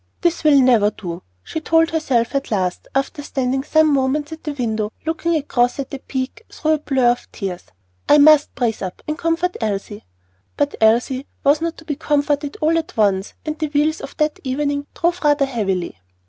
"This will never do," she told herself at last, after standing some moments at the window looking across at the peak through a blur of tears, "I must brace up and comfort Elsie." But Elsie was not to be comforted all at once, and the wheels of that evening drave rather heavily.